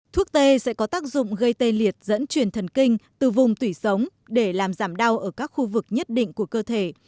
thuốc t sẽ có tác dụng gây tê liệt dẫn truyền thần kinh từ vùng tủy sống để làm giảm đau ở các khu vực nhất định của cơ thể